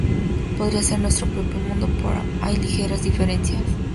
Podría ser nuestro propio mundo, pero hay ligeras diferencias.